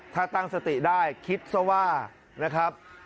ถ้าตั้งสติได้คิดซะว่านะครับ